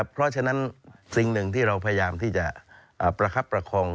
เพราะฉะนั้นสิ่งหนึ่งที่เราพยายามที่จะประคับประคอง